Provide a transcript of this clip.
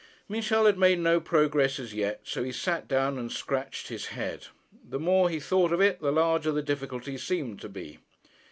Michel had made no progress as yet, so he sat down and scratched his head. The more he thought of it, the larger the difficulty seemed to be.